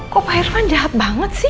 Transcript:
kok pak irvan jahat banget sih